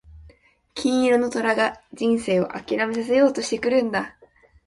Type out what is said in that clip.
金色の虎が人生を諦めさせようとしてくるんだ。